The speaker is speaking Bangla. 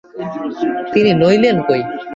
তিনি লইলেন কই?